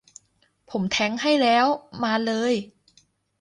ผมแทงค์ให้แล้ว มาเลย